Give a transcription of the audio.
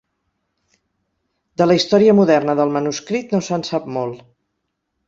De la història moderna del manuscrit no se'n sap molt.